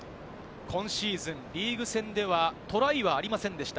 今シーズン、リーグ戦ではトライはありませんでした。